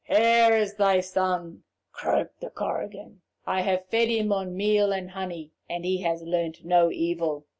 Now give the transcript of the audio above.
'Here is thy son!' croaked the Korrigan. 'I have fed him on meal and honey, and he has learnt no evil.